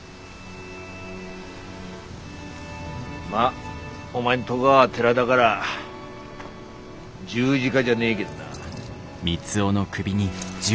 まあお前んとごは寺だがら十字架じゃねえげどな。